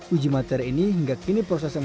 uji materi ini hingga kini proses yang